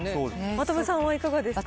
真飛さんはいかがですか？